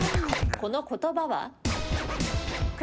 この言葉は？